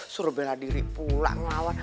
suruh bela diri pulang lawan